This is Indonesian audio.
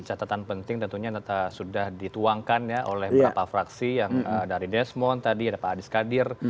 catatan penting tentunya sudah dituangkan ya oleh beberapa fraksi yang dari desmond tadi ada pak adis kadir